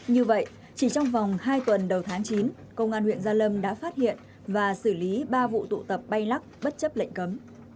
như vậy chỉ trong vòng hai tuần đầu tháng chín công an huyện gia lâm đã phát hiện và xử lý ba vụ tụ tập bay lắc bất chấp lệnh cấm